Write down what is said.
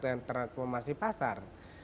dan transformasi pasar